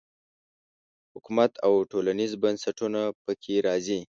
حکومت او ټولنیز بنسټونه په کې راځي.